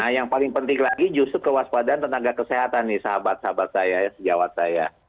yang paling penting lagi justru kewaspadaan tenaga kesehatan nih sahabat sahabat saya ya sejawat saya